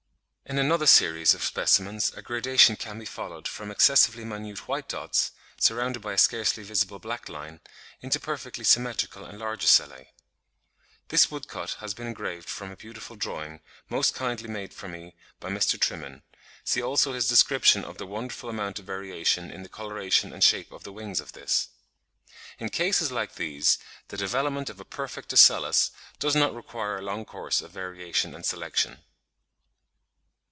In another series of specimens a gradation can be followed from excessively minute white dots, surrounded by a scarcely visible black line (B), into perfectly symmetrical and large ocelli (B1). (48. This woodcut has been engraved from a beautiful drawing, most kindly made for me by Mr. Trimen; see also his description of the wonderful amount of variation in the coloration and shape of the wings of this butterfly, in his 'Rhopalocera Africae Australis,' p. 186.) In cases like these, the development of a perfect ocellus does not require a long course of variation and selection.